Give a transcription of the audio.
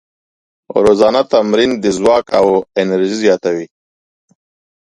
روزانه تمرین د ځواک او انرژۍ زیاتوي.